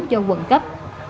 cho quận cấp